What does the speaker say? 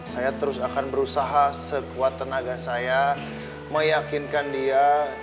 saya terus akan berusaha sekuat tenaga saya meyakinkan dia